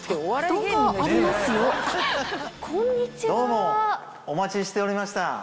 どうもお待ちしておりました。